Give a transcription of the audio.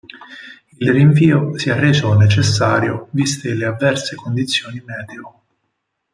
Il rinvio si è reso necessario viste le avverse condizioni meteo.